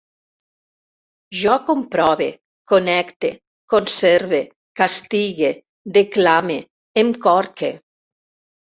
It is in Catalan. Jo comprove, connecte, conserve, castigue, declame, em corque